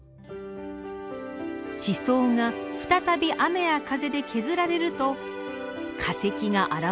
地層が再び雨や風で削られると化石が現れるのです。